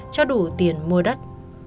cho đủ tiền mua đất